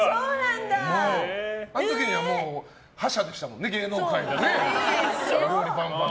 あの時にはもう覇者でしたもんね芸能界でね。